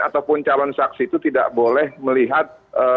ataupun calon saksi itu tidak boleh melihat